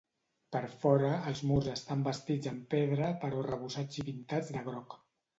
Per fora, els murs estan bastits amb pedra però arrebossats i pintats de groc.